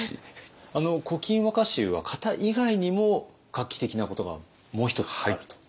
あの「古今和歌集」は型以外にも画期的なことがもう一つあると。